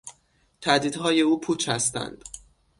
تهدیدهای او پوچ هستند.